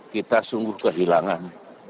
kita sungguh kehilangan